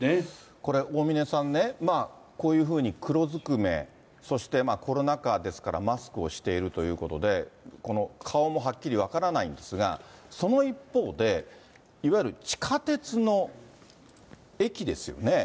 これ、大峯さんね、こういうふうに黒ずくめ、そしてコロナ禍ですから、マスクをしているということで、この顔もはっきり分からないんですが、その一方で、いわゆる地下鉄の駅ですよね。